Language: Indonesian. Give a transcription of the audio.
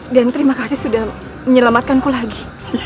dan terima kasih sudah menyelamatkan ku lagi